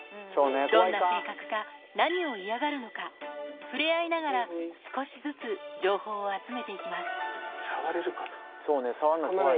どんな性格か、何を嫌がるのか、触れ合いながら、少しずつ情報を触れるかな？